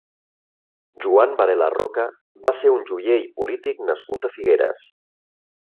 Joan Varela Roca va ser un joier i polític nascut a Figueres.